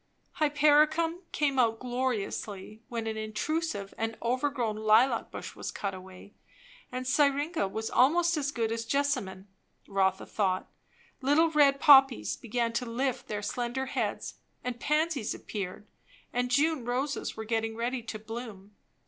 Hypericum came out gloriously, when an intrusive and overgrown lilac bush was cut away; and syringa was almost as good as jessamine, Rotha thought; little red poppies began to lift their slender heads, and pansies appeared, and June roses were getting ready to bloom.